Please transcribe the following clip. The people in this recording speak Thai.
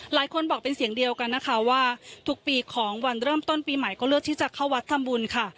หลายคนบอกเป็นเสียงเดียวกันนะคะว่าทุกปีของวันเริ่มต้นปีใหม่ก็เลือกที่จะเข้าวัดทำบุญค่ะ